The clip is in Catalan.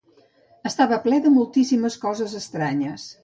Estava ple de moltíssimes coses estranyes.